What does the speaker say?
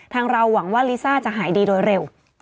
เราหวังว่าลิซ่าจะหายดีโดยเร็ว